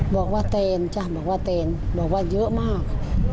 บอกว่าเตนจ้ะบอกว่าเตนบอกว่าเยอะมาก